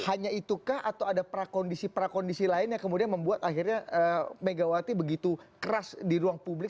hanya itukah atau ada prakondisi prakondisi lain yang kemudian membuat akhirnya megawati begitu keras di ruang publik